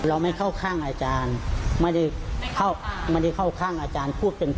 เราไม่เข้าข้างอาจารย์เขามาเรียกกับอาจารย์